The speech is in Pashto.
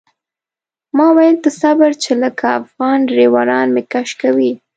ما ویل ته صبر چې لکه افغان ډریوران مې کش کوي.